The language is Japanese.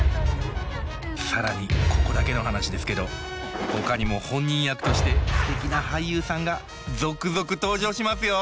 更にここだけの話ですけどほかにも本人役としてすてきな俳優さんが続々登場しますよ。